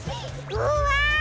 うわ！